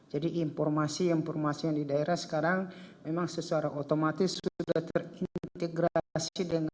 jadi informasi informasinya di daerah sekarang memang secara otomatis sudah terintegrasi dengan tim